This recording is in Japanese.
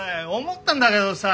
思ったんだけどさ